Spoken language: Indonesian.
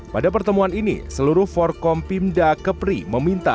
pada pertemuan ini seluruh forkom pimda kepri meminta